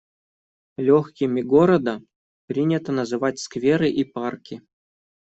«Лёгкими города» принято называть скверы и парки.